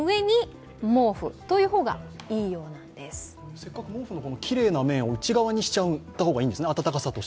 せっかく毛布の方のきれいな面を内側にした方がいいんですね。